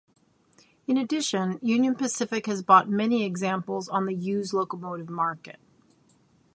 In addition, Union Pacific has bought many examples on the used locomotive market.